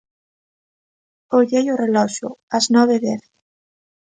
Ollei o reloxo: as nove e dez.